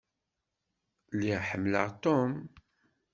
Lliɣ ḥemmleɣ Tom.